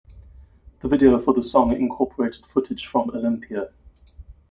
The video for the song incorporated footage from Olympia.